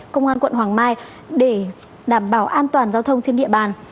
công an quận hoàng mai để đảm bảo an toàn giao thông trên địa bàn